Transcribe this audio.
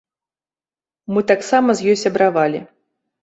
Мы таксама з ёй сябравалі.